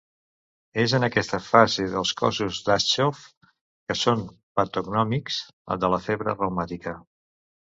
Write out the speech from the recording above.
És en aquesta fase dels cossos d"Aschoff, que són patognomònics de la febre reumàtica.